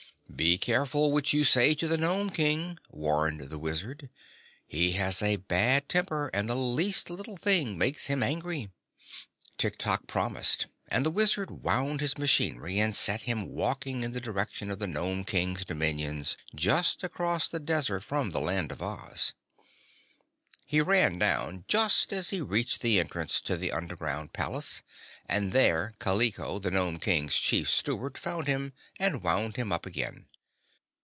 "Be careful what you say to the Nome King," warned the Wizard. "He has a bad temper and the least little thing makes him angry." Tiktok promised, and the Wizard wound his machinery and set him walking in the direction of the Nome King's dominions, just across the desert from the Land of Oz. He ran down just as he reached the entrance to the underground palace, and there Kaliko, the Nome King's Chief Steward, found him and wound him up again.